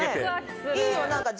いいよ。